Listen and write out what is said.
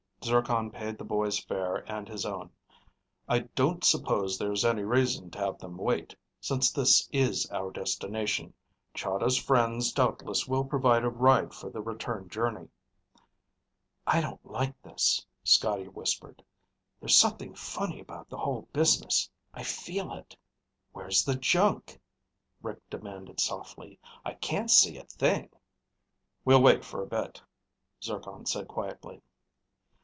Zircon paid the boys' fare and his own. "I don't suppose there's any reason to have them wait, since this is our destination. Chahda's friends doubtless will provide a ride for the return journey." "I don't like this," Scotty whispered. "There's something funny about the whole business. I feel it." "Where's the junk?" Rick demanded softly. "I can't see a thing." "We'll wait for a bit," Zircon said quietly.